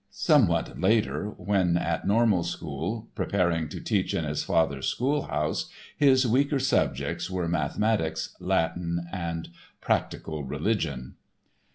Somewhat later when at normal school, preparing to teach in his father's schoolhouse, his weaker subjects were mathematics, Latin and "practical religion."